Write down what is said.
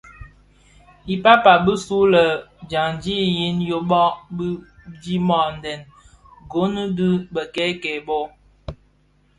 I pal pal bisulè dyandi yin yoba di dhimandè Gunu dhi bèk-kè bō.